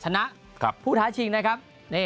ชนะผู้ท้าชิงนะครับ